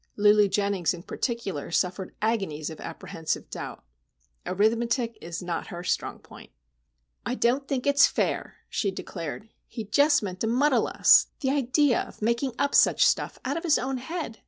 Lulu Jennings, in particular, suffered agonies of apprehensive doubt. Arithmetic is not her strong point. "I don't think it's fair," she declared. "He just meant to muddle us. The idea of making up such stuff out of his own head!